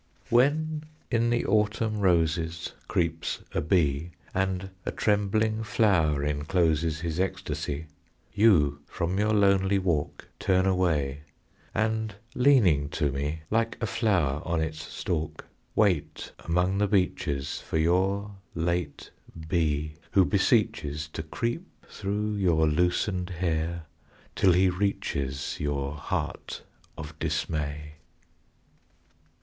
When in the autumn roses Creeps a bee, And a trembling flower encloses His ecstasy, You from your lonely walk Turn away, And leaning to me like a flower on its stalk, Wait among the beeches For your late bee who beseeches To creep through your loosened hair till he reaches, Your heart of dismay.